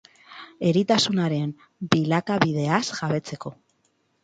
Eritasunaren bilakabideaz jabetzeko.